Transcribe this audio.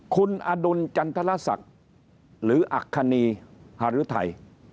คุณอดุลจันทรศักดิ์หรืออัคคณีฮารุทัย